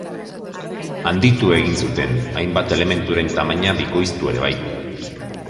Handitu egin zuten, hainbat elementuren tamaina bikoiztu ere bai.